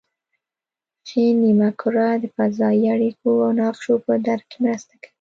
ښي نیمه کره د فضایي اړیکو او نقشو په درک کې مرسته کوي